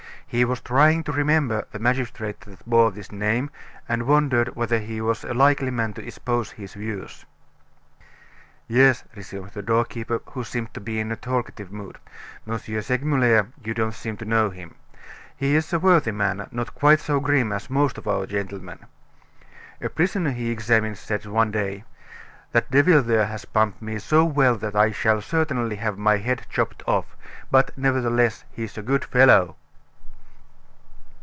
He was trying to remember the magistrate that bore this name, and wondered whether he was a likely man to espouse his views. "Yes," resumed the doorkeeper, who seemed to be in a talkative mood, "M. Segmuller you don't seem to know him. He is a worthy man, not quite so grim as most of our gentlemen. A prisoner he had examined said one day: 'That devil there has pumped me so well that I shall certainly have my head chopped off; but, nevertheless, he's a good fellow!"